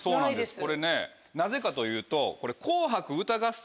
これねなぜかというと。